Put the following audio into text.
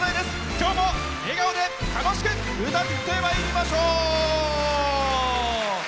今日も笑顔で楽しく歌ってまいりましょう。